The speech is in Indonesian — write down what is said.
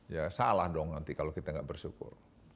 ya salah dong nanti kalau kita gak bersyukur